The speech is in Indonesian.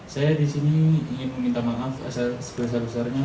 saya disini ingin meminta maaf sebesar besarnya